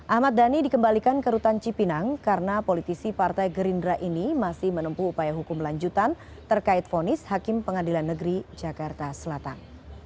ahmad dhani dikembalikan ke rutan cipinang karena politisi partai gerindra ini masih menempuh upaya hukum lanjutan terkait fonis hakim pengadilan negeri jakarta selatan